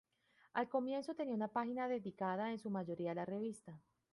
Al comienzo, tenía una página dedicada en su mayoría a la revista.